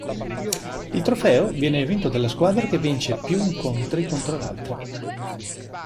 Il trofeo viene vinto dalla squadra che vince più incontri contro l'altra.